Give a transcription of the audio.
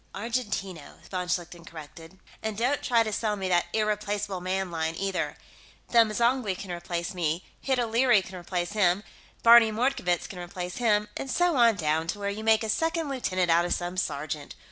"Argentino," von Schlichten corrected. "And don't try to sell me that Irreplaceable Man line, either. Them M'zangwe can replace me, Hid O'Leary can replace him, Barney Mordkovitz can replace him, and so on down to where you make a second lieutenant out of some sergeant.